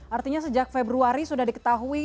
artinya sejak februari sudah diketahui